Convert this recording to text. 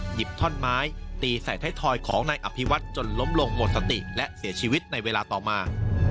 หยิบท่อนไม้ตีใส่ไทยทอยของนายอภิวัตรจนล้มลงหมดสติและเสียชีวิตในเวลาต่อมา